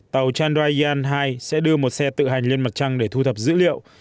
tàu chandrayaan hai sẽ đưa một xe tự hành lên mặt trăng để thu thập dữ liệu